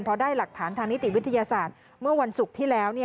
พอได้หลักฐานทางนิติวิทยาศาสตร์เมื่อวันศุกร์ที่แล้ว